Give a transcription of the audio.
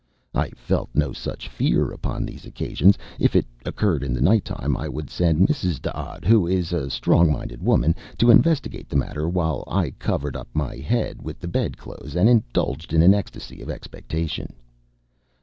I felt no touch of fear upon these occasions. If it occurred in the night time, I would send Mrs. D'Odd who is a strong minded woman to investigate the matter while I covered up my head with the bed clothes and indulged in an ecstasy of expectation.